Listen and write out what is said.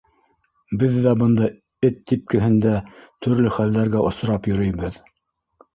Беҙ ҙә бында эт типкеһендә, төрлө хәлдәргә осрап йөрөйбөҙ.